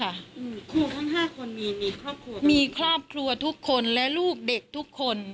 อืมครูทั้งห้าคนมีมีครอบครัวมีครอบครัวทุกคนและลูกเด็กทุกคน